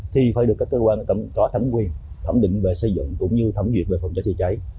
thì phải được các cơ quan có thẩm quyền thẩm định về xây dựng cũng như thẩm duyệt về phòng cháy chữa cháy